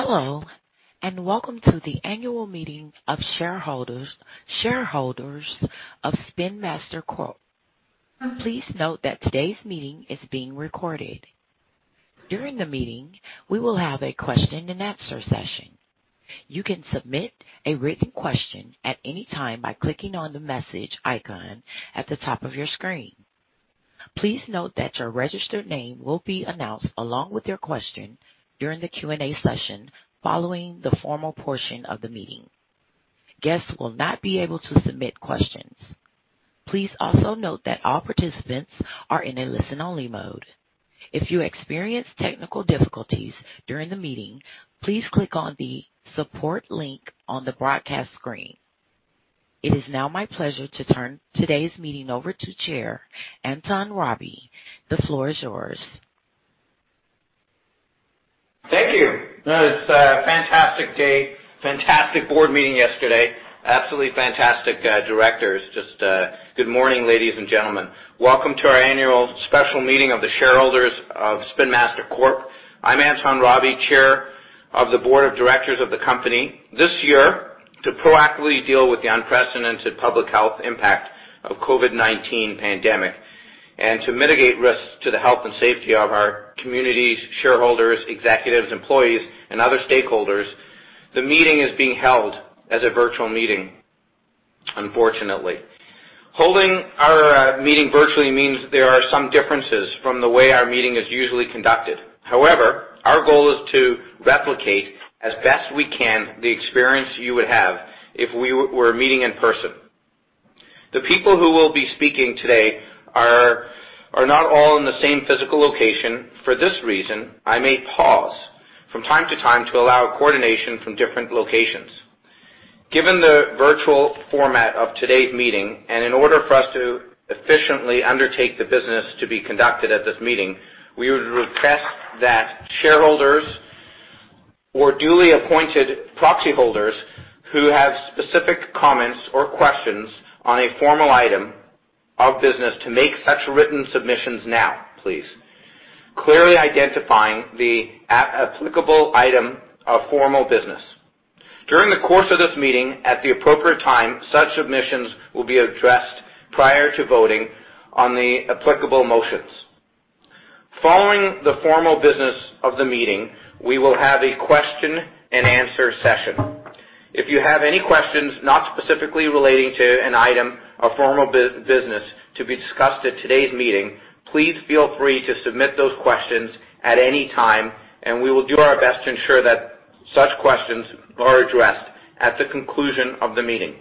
Hello, and welcome to the annual meeting of shareholders of Spin Master Corp. Please note that today's meeting is being recorded. During the meeting, we will have a question and answer session. You can submit a written question at any time by clicking on the message icon at the top of your screen. Please note that your registered name will be announced along with your question during the Q&A session following the formal portion of the meeting. Guests will not be able to submit questions. Please also note that all participants are in a listen-only mode. If you experience technical difficulties during the meeting, please click on the support link on the broadcast screen. It is now my pleasure to turn today's meeting over to Chair Anton Rabie. The floor is yours. Thank you. No, it's a fantastic day. Fantastic board meeting yesterday. Absolutely fantastic directors. Just good morning, ladies and gentlemen. Welcome to our annual special meeting of the shareholders of Spin Master Corp. I'm Anton Rabie, Chair of the Board of Directors of the company. This year, to proactively deal with the unprecedented public health impact of COVID-19 pandemic and to mitigate risks to the health and safety of our communities, shareholders, executives, employees, and other stakeholders, the meeting is being held as a virtual meeting, unfortunately. Holding our meeting virtually means there are some differences from the way our meeting is usually conducted. However, our goal is to replicate, as best we can, the experience you would have if we were meeting in person. The people who will be speaking today are not all in the same physical location. For this reason, I may pause from time to time to allow coordination from different locations. Given the virtual format of today's meeting, and in order for us to efficiently undertake the business to be conducted at this meeting, we would request that shareholders or duly appointed proxy holders who have specific comments or questions on a formal item of business to make such written submissions now, please, clearly identifying the applicable item of formal business. During the course of this meeting, at the appropriate time, such submissions will be addressed prior to voting on the applicable motions. Following the formal business of the meeting, we will have a question and answer session. If you have any questions not specifically relating to an item of formal business to be discussed at today's meeting, please feel free to submit those questions at any time, and we will do our best to ensure that such questions are addressed at the conclusion of the meeting.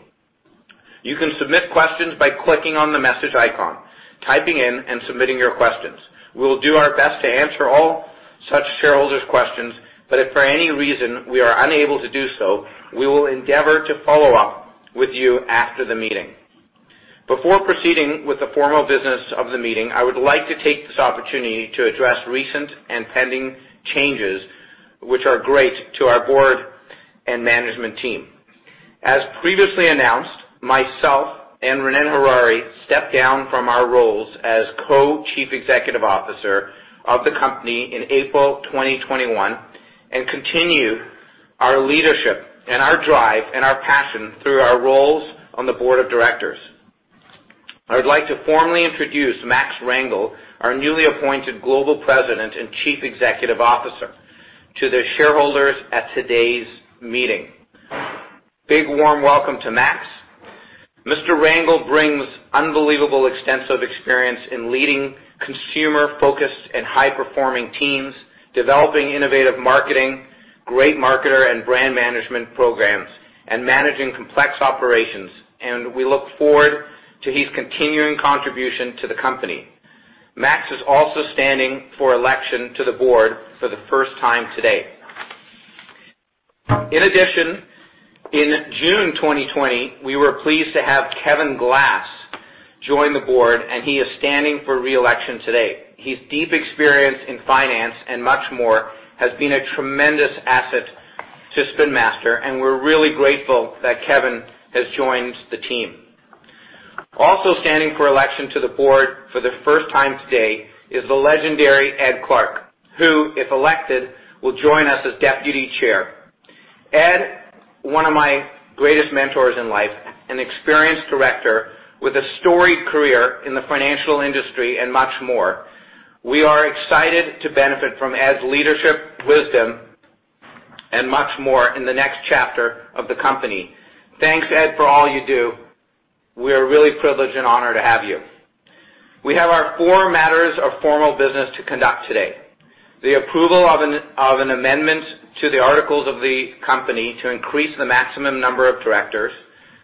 You can submit questions by clicking on the message icon, typing in, and submitting your questions. We will do our best to answer all such shareholders' questions, but if for any reason we are unable to do so, we will endeavor to follow up with you after the meeting. Before proceeding with the formal business of the meeting, I would like to take this opportunity to address recent and pending changes which are great to our board and management team. As previously announced, myself and Ronnen Harary stepped down from our roles as Co-Chief Executive Officer of the company in April 2021 and continue our leadership and our drive and our passion through our roles on the Board of Directors. I would like to formally introduce Max Rangel, our newly appointed Global President and Chief Executive Officer, to the shareholders at today's meeting. Big, warm welcome to Max. Mr. Rangel brings unbelievable extensive experience in leading consumer-focused and high-performing teams, developing innovative marketing, great marketer and brand management programs, and managing complex operations, and we look forward to his continuing contribution to the company. Max is also standing for election to the Board for the first time today. In addition, in June 2020, we were pleased to have Kevin Glass join the Board, and he is standing for re-election today. His deep experience in finance and much more has been a tremendous asset to Spin Master, and we're really grateful that Kevin has joined the team. Also standing for election to the board for the first time today is the legendary Ed Clark, who, if elected, will join us as Deputy Chair. Ed, one of my greatest mentors in life, an experienced director with a storied career in the financial industry and much more. We are excited to benefit from Ed's leadership, wisdom, and much more in the next chapter of the company. Thanks, Ed, for all you do. We are really privileged and honored to have you. We have our four matters of formal business to conduct today. The approval of an amendment to the articles of the company to increase the maximum number of directors,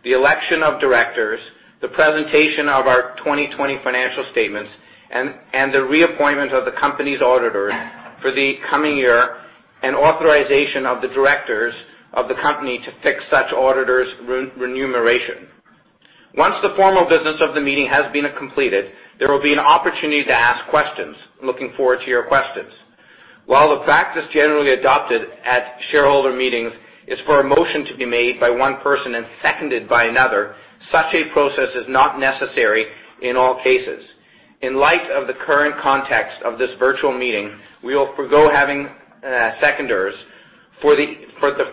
the election of directors, the presentation of our 2020 financial statements, and the reappointment of the company's auditors for the coming year, and authorization of the directors of the company to fix such auditors' remuneration. Once the formal business of the meeting has been completed, there will be an opportunity to ask questions. Looking forward to your questions. While the practice generally adopted at shareholder meetings is for a motion to be made by one person and seconded by another, such a process is not necessary in all cases. In light of the current context of this virtual meeting, we will forego having seconders for the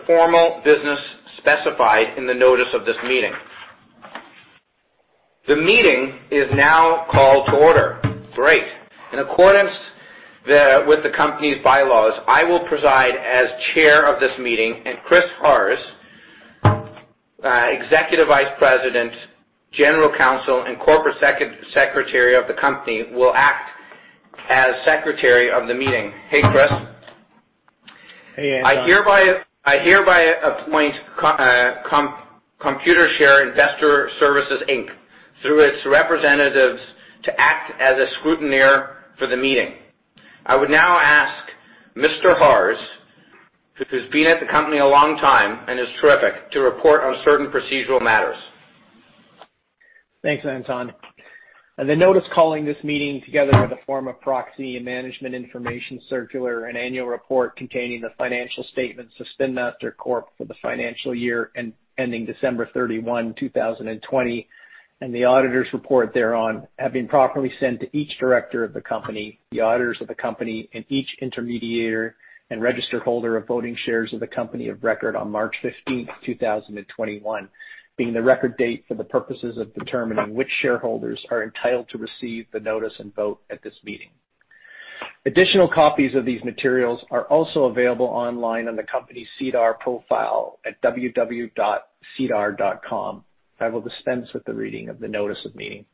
formal business specified in the notice of this meeting. The meeting is now called to order. Great. In accordance with the company's bylaws, I will preside as chair of this meeting, and Christopher Harrs, Executive Vice President, General Counsel, and Corporate Secretary of the company, will act as Secretary of the meeting. Hey, Chris. Hey, Anton. I hereby appoint Computershare Investor Services Inc., through its representatives, to act as a scrutineer for the meeting. I would now ask Mr. Harrs, who has been at the company a long time and is terrific, to report on certain procedural matters. Thanks, Anton. The notice calling this meeting together in the form of proxy and management information circular and annual report containing the financial statements of Spin Master Corp for the financial year ending December 31, 2020, and the auditors' report thereon, have been properly sent to each director of the company, the auditors of the company, and each intermediator and registered holder of voting shares of the company of record on March 15, 2021, being the record date for the purposes of determining which shareholders are entitled to receive the notice and vote at this meeting. Additional copies of these materials are also available online on the company's SEDAR profile at www.sedar.com. I will dispense with the reading of the notice of meeting.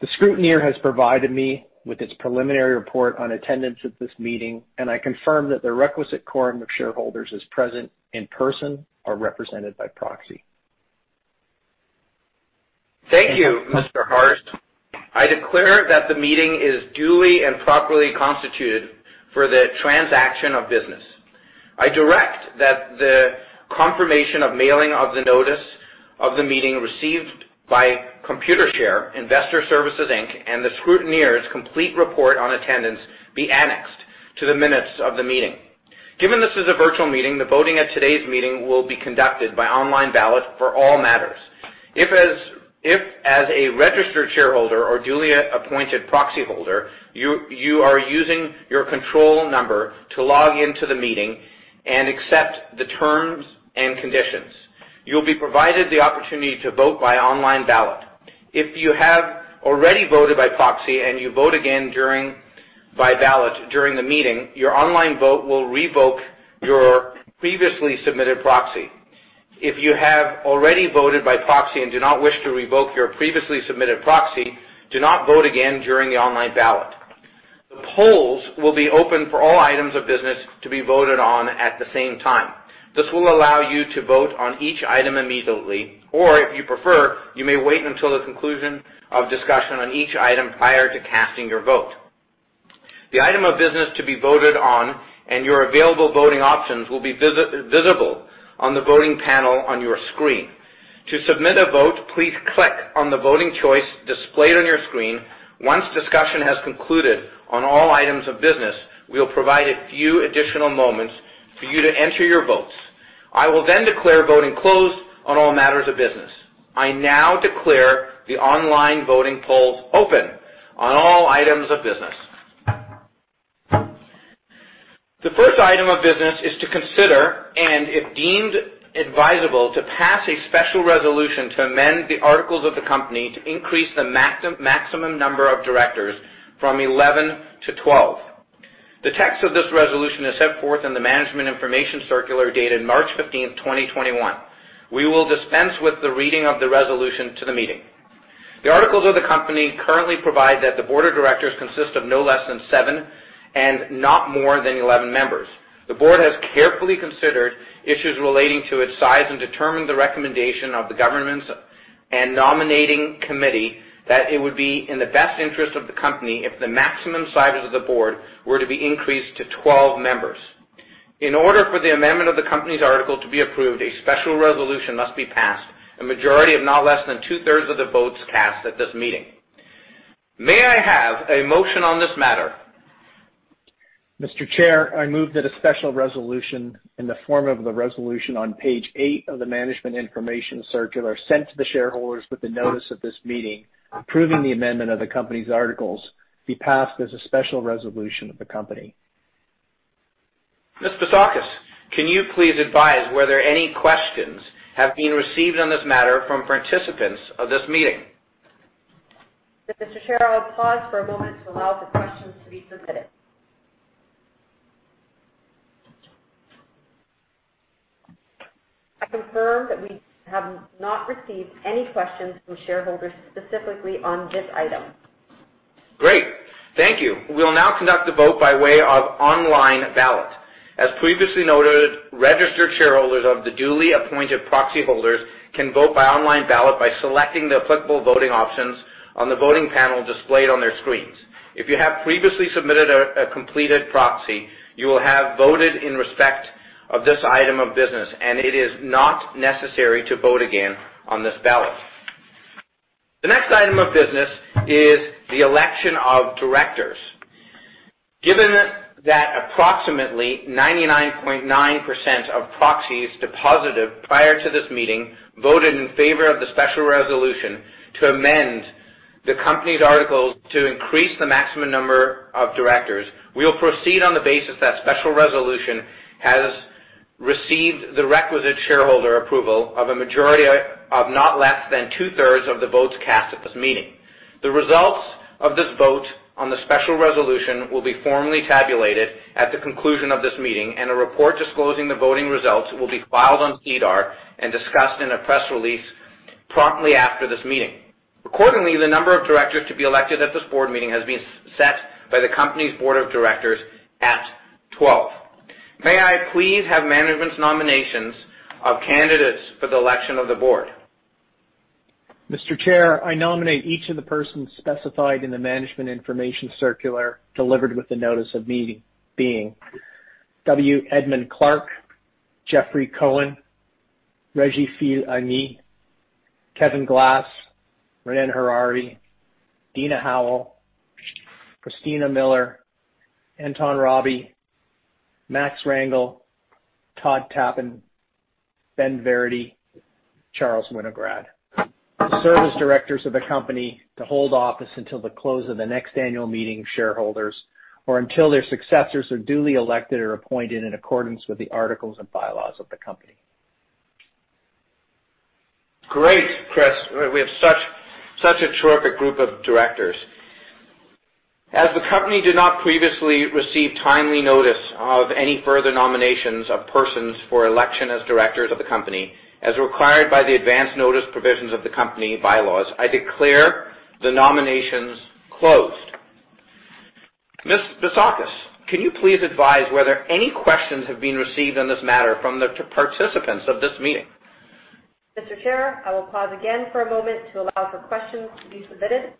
The scrutineer has provided me with its preliminary report on attendance at this meeting. I confirm that the requisite quorum of shareholders is present in person or represented by proxy. Thank you, Mr. Harrs. I declare that the meeting is duly and properly constituted for the transaction of business. I direct that the confirmation of mailing of the notice of the meeting received by Computershare Investor Services Inc., and the scrutineer's complete report on attendance be annexed to the minutes of the meeting. Given this is a virtual meeting, the voting at today's meeting will be conducted by online ballot for all matters. If as a registered shareholder or duly appointed proxyholder, you are using your control number to log into the meeting and accept the terms and conditions. You'll be provided the opportunity to vote by online ballot. If you have already voted by proxy and you vote again by ballot during the meeting, your online vote will revoke your previously submitted proxy. If you have already voted by proxy and do not wish to revoke your previously submitted proxy, do not vote again during the online ballot. The polls will be open for all items of business to be voted on at the same time. This will allow you to vote on each item immediately, or if you prefer, you may wait until the conclusion of discussion on each item prior to casting your vote. The item of business to be voted on and your available voting options will be visible on the voting panel on your screen. To submit a vote, please click on the voting choice displayed on your screen. Once discussion has concluded on all items of business, we'll provide a few additional moments for you to enter your votes. I will then declare voting closed on all matters of business. I now declare the online voting polls open on all items of business. The first item of business is to consider, and if deemed advisable, to pass a special resolution to amend the articles of the company to increase the maximum number of directors from 11 to 12. The text of this resolution is set forth in the management information circular dated March 15, 2021. We will dispense with the reading of the resolution to the meeting. The articles of the company currently provide that the board of directors consist of no less than seven and not more than 11 members. The board has carefully considered issues relating to its size and determined the recommendation of the governance and nominating committee that it would be in the best interest of the company if the maximum sizes of the board were to be increased to 12 members. In order for the amendment of the company's article to be approved, a special resolution must be passed, a majority of not less than two-thirds of the votes cast at this meeting. May I have a motion on this matter? Mr. Chair, I move that a special resolution in the form of the resolution on page eight of the management information circular sent to the shareholders with the notice of this meeting, approving the amendment of the company's articles, be passed as a special resolution of the company. Ms. Bisoukis, can you please advise whether any questions have been received on this matter from participants of this meeting? Mr. Chair, I'll pause for a moment to allow for questions to be submitted. I confirm that we have not received any questions from shareholders specifically on this item. Great. Thank you. We will now conduct a vote by way of online ballot. As previously noted, registered shareholders of the duly appointed proxyholders can vote by online ballot by selecting the applicable voting options on the voting panel displayed on their screens. If you have previously submitted a completed proxy, you will have voted in respect of this item of business, and it is not necessary to vote again on this ballot. The next item of business is the election of directors. Given that approximately 99.9% of proxies deposited prior to this meeting voted in favor of the special resolution to amend the company's articles to increase the maximum number of directors, we will proceed on the basis that special resolution has received the requisite shareholder approval of a majority of not less than two-thirds of the votes cast at this meeting. The results of this vote on the special resolution will be formally tabulated at the conclusion of this meeting, and a report disclosing the voting results will be filed on SEDAR and discussed in a press release promptly after this meeting. Accordingly, the number of directors to be elected at this board meeting has been set by the company's board of directors at 12. May I please have management's nominations of candidates for the election of the board? Mr. Chair, I nominate each of the persons specified in the management information circular delivered with the notice of meeting being W. Edmund Clark, Jeffrey Cohen, Reggie Fils-Aimé, Kevin Glass, Ronnen Harary, Dina Howell, Christina Miller, Anton Rabie, Max Rangel, Todd Tappin, Ben Varadi, Charles Winograd to serve as directors of the company to hold office until the close of the next annual meeting of shareholders or until their successors are duly elected or appointed in accordance with the articles and bylaws of the company. Great, Chris. We have such a terrific group of directors. As the company did not previously receive timely notice of any further nominations of persons for election as directors of the company as required by the advance notice provisions of the company bylaws, I declare the nominations closed. Ms. Bisoukis, can you please advise whether any questions have been received on this matter from the participants of this meeting? Mr. Chair, I will pause again for a moment to allow for questions to be submitted.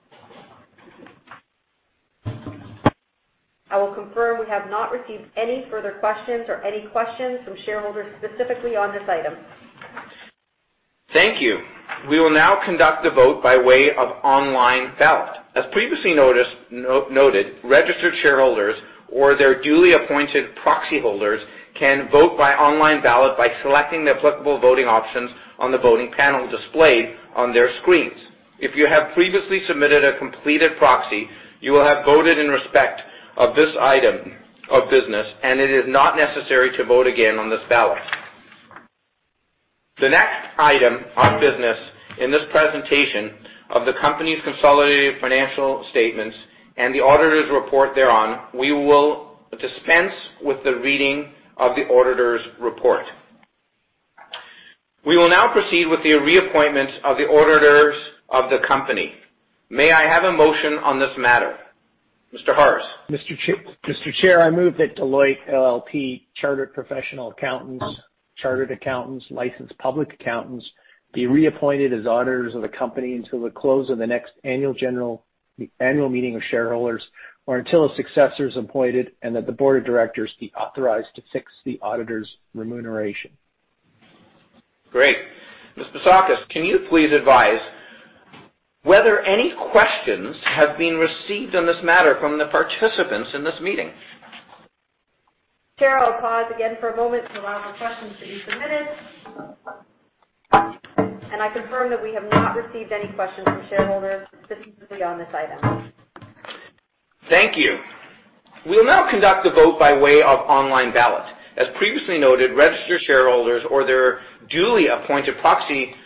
I will confirm we have not received any further questions or any questions from shareholders specifically on this item. Thank you. We will now conduct a vote by way of online ballot. As previously noted, registered shareholders or their duly appointed proxy holders can vote by online ballot by selecting the applicable voting options on the voting panel displayed on their screens. If you have previously submitted a completed proxy, you will have voted in respect of this item of business, and it is not necessary to vote again on this ballot. The next item of business in this presentation of the company's consolidated financial statements and the auditor's report thereon, we will dispense with the reading of the auditor's report. We will now proceed with the reappointment of the auditors of the company. May I have a motion on this matter? Mr. Harrs. Mr. Chair, I move that Deloitte LLP, chartered professional accountants, chartered accountants, licensed public accountants, be reappointed as auditors of the company until the close of the next annual meeting of shareholders or until a successor is appointed, and that the board of directors be authorized to fix the auditor's remuneration. Great. Ms. Bisoukis, can you please advise whether any questions have been received on this matter from the participants in this meeting? Chair, I'll pause again for a moment to allow for questions to be submitted. I confirm that we have not received any questions from shareholders specifically on this item. Thank you. We will now conduct a vote by way of online ballot. As previously noted, registered shareholders or their duly appointed proxy holders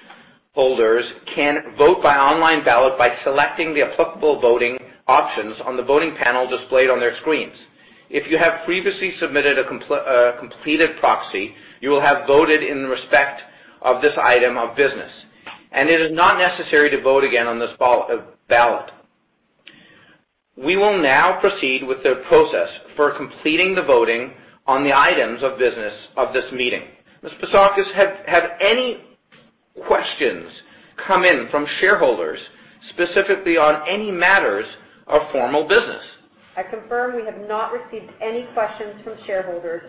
can vote by online ballot by selecting the applicable voting options on the voting panel displayed on their screens. If you have previously submitted a completed proxy, you will have voted in respect of this item of business. It is not necessary to vote again on this ballot. We will now proceed with the process for completing the voting on the items of business of this meeting. Ms. Bisoukis, have any questions come in from shareholders, specifically on any matters of formal business? I confirm we have not received any questions from shareholders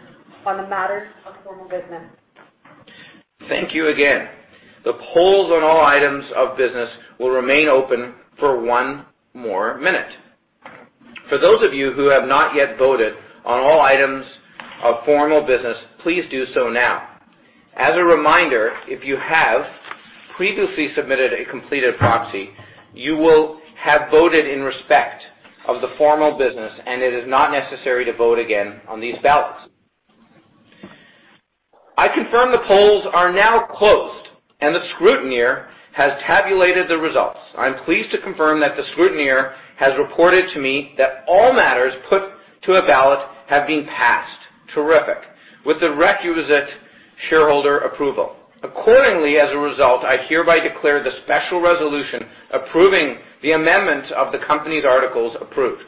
on the matters of formal business. Thank you again. The polls on all items of business will remain open for one more minute. For those of you who have not yet voted on all items of formal business, please do so now. As a reminder, if you have previously submitted a completed proxy, you will have voted in respect of the formal business, and it is not necessary to vote again on these ballots. I confirm the polls are now closed, and the scrutineer has tabulated the results. I'm pleased to confirm that the scrutineer has reported to me that all matters put to a ballot have been passed. Terrific. With the requisite shareholder approval. As a result, I hereby declare the special resolution approving the amendments of the company's articles approved.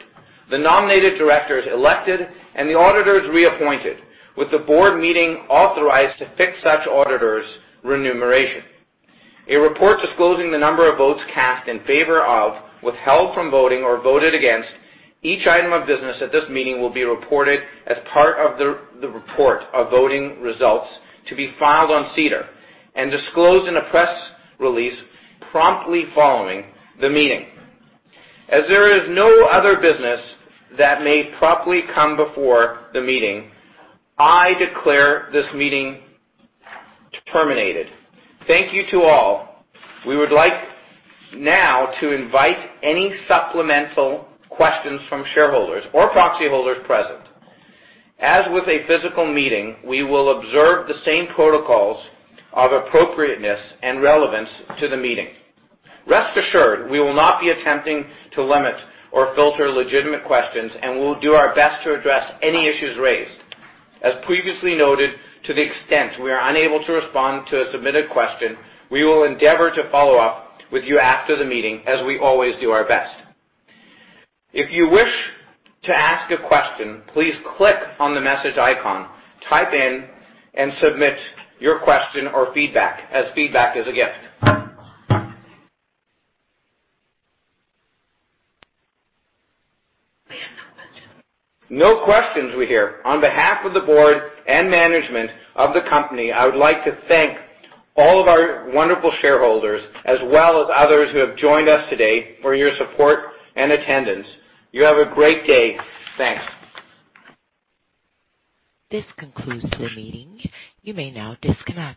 The nominated director is elected, and the auditor is reappointed, with the board meeting authorized to fix such auditor's remuneration. A report disclosing the number of votes cast in favor of, withheld from voting, or voted against each item of business at this meeting will be reported as part of the report of voting results to be filed on SEDAR and disclosed in a press release promptly following the meeting. As there is no other business that may properly come before the meeting, I declare this meeting terminated. Thank you to all. We would like now to invite any supplemental questions from shareholders or proxy holders present. As with a physical meeting, we will observe the same protocols of appropriateness and relevance to the meeting. Rest assured, we will not be attempting to limit or filter legitimate questions, and we'll do our best to address any issues raised. As previously noted, to the extent we are unable to respond to a submitted question, we will endeavor to follow up with you after the meeting as we always do our best. If you wish to ask a question, please click on the message icon, type in and submit your question or feedback, as feedback is a gift. We have no questions. No questions we hear. On behalf of the board and management of the company, I would like to thank all of our wonderful shareholders as well as others who have joined us today for your support and attendance. You have a great day. Thanks. This concludes the meeting. You may now disconnect.